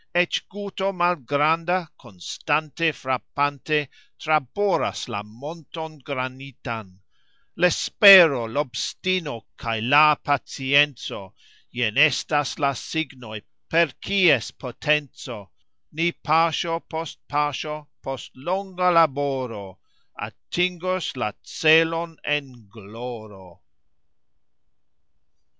Ecx guto malgranda, konstante frapante, Traboras la monton granitan. L' espero, l' obstino, kaj la pacienco Jen estas la signoj, per kies potenco Ni pasxo post pasxo, post longa laboro, Atingos la celon en gloro.